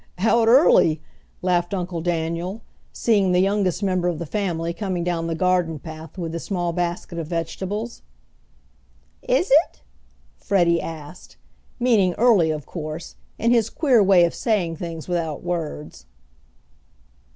"Out early," laughed Uncle Daniel, seeing the youngest member of the family coming down the garden path with the small basket of vegetables. "Is it?" Freddie asked, meaning early of course, in his queer way of saying things without words.